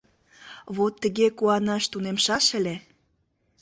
Вот тыге куанаш тунемшаш ыле...